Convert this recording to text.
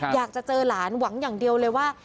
อยากจะเจอหลานหวังอย่างเดียวเลยว่า